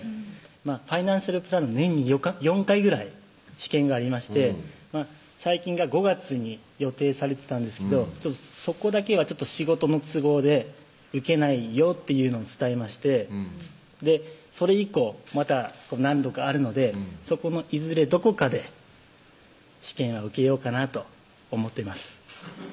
ファイナンシャルプランナー年に４回ぐらい試験がありまして最近が５月に予定されてたんですけど「そこだけは仕事の都合で受けないよ」っていうのを伝えましてそれ以降また何度かあるのでそこのいずれどこかで試験は受けようかなと思ってます